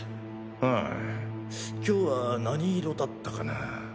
うん今日は何色だったかなぁ。